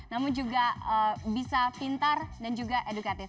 namun juga bisa pintar dan juga edukatif